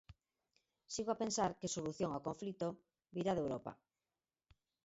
Sigo a pensar que solución ao conflito virá de Europa.